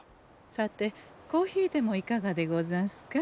さてコーヒーでもいかがでござんすか？